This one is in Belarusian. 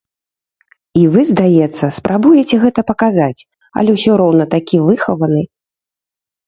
І вы, здаецца, спрабуеце гэта паказаць, але ўсё роўна такі выхаваны.